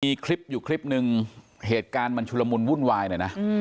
มีคลิปอยู่คลิปนึงเหตุการณ์มันชุลมุนวุ่นวายหน่อยนะ